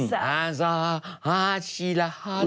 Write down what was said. ฮาซ่าฮาชีลาฮาซ่า